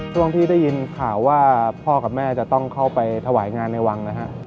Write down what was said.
ช่วงที่ได้ยินข่าวว่าพ่อกับแม่จะต้องเข้าไปถวายงานในวังนะฮะ